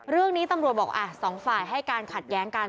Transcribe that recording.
เรื่องนี้ตำรวจบอกสองฝ่ายให้การขัดแย้งกัน